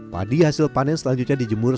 padi hasil panen selanjutnya dijemur